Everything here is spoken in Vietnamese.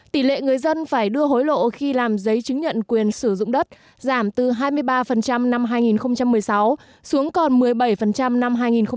tỷ lệ người dân phải đưa hối lộ khi làm giấy chứng nhận quyền sử dụng đất giảm từ hai mươi ba năm hai nghìn một mươi sáu xuống còn một mươi bảy năm hai nghìn một mươi bảy